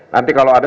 nanti kalau ada